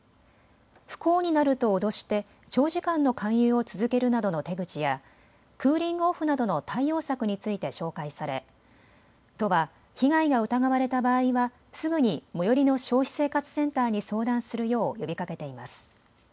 不幸になると脅して長時間の勧誘を続けるなどの手口やクーリングオフなどの対応策について紹介され都は被害が疑われた場合はすぐに最寄りの消費生活センターに相談するよう呼びかけています。